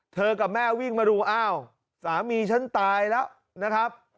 กับแม่วิ่งมาดูอ้าวสามีฉันตายแล้วนะครับ